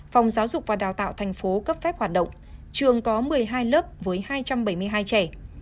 phòng giáo dục và đào tạo thành phố cấp phép hoạt động trường có một mươi hai lớp với hai trăm bảy mươi hai trẻ